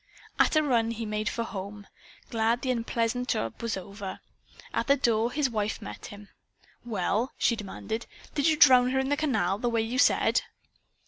At a run, he made for home, glad the unpleasant job was over. At the door his wife met him. "Well," she demanded, "did you drown her in the canal, the way you said?"